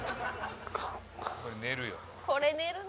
「これ寝るよ」